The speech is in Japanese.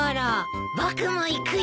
僕も行くよ。